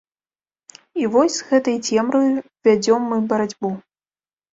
І вось з гэтай цемраю вядзём мы барацьбу.